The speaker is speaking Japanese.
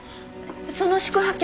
その宿泊客